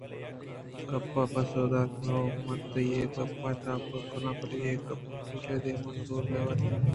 کاف ءَ پسو دات ہئو! من تئی اےگپاں تپاک کناں بلئے اے گپ وکیل ءِ دیمءَ سور ے وہداں جنَگ بنت بلئے ایشی ساری من ءَ گوں کلام حبر کنگی اِنت ءُآ ہم سہی کنگی اِنت